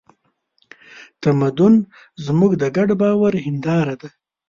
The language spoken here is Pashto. تمدن زموږ د ګډ باور هینداره ده.